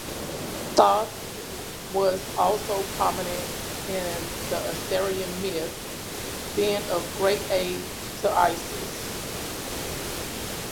Thoth was also prominent in the Asarian myth, being of great aid to Isis.